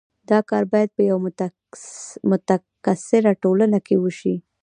دا کار باید په یوه متکثره ټولنه کې وشي.